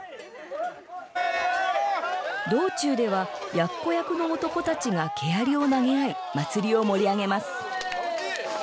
道中では奴役の男たちが毛槍を投げ合い祭りを盛り上げます。